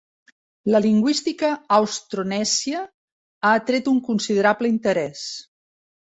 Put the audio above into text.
La lingüística austronèsia ha atret un considerable interès.